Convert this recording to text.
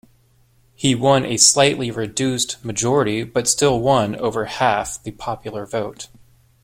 He won a slightly reduced majority but still won over half the popular vote.